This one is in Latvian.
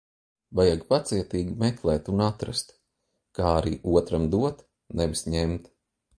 Vajag paciet?gi mekl?t un atrast, k? ar? otram dot, nevis ?emt.